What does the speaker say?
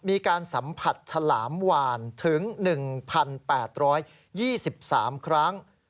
มีการสัมผัสฉลามวานถึง๑๘๒๓ครั้ง